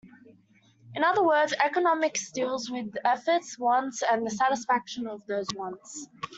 In other words, economics deals with effort, wants, and the satisfaction of those wants.